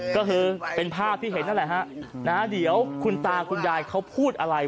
ก็คือเป็นภาพที่เห็นนั่นแหละฮะนะฮะเดี๋ยวคุณตาคุณยายเขาพูดอะไร